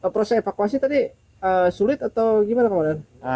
proses evakuasi tadi sulit atau gimana komandan